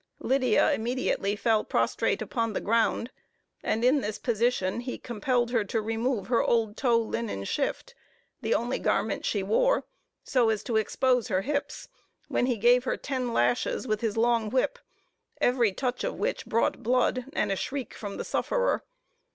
Lydia immediately fell prostrate upon the ground; and in this position he compelled her to remove her old tow linen shift, the only garment she wore, so as to expose her hips, when he gave her ten lashes, with his long whip, every touch of which brought blood, and a shriek from the sufferer.